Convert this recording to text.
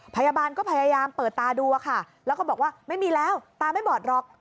พยาบาลก็พยายามเปิดตาดูอะค่ะแล้วก็บอกว่าไม่มีแล้วตาไม่บอดหรอก